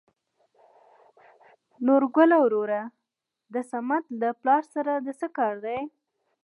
نورګله وروره د سمد له پلار سره د څه کار دى ؟